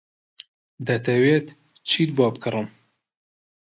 دەتەوێت چیت بۆ بکڕم؟